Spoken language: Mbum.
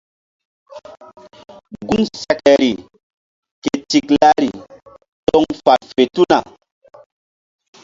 Gun sekeri ke tiklari toŋ fal fe tuna.